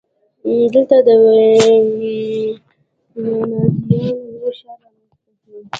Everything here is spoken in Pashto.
دلته د وینزیانو یو ښار رامنځته شو